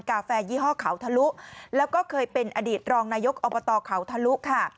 กาแฟยี่ห้อเขาทะลุแล้วก็เคยเป็นอดีตรองนายกอบตเขาทะลุค่ะ